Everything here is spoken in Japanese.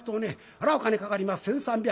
ほらお金かかります１，３００。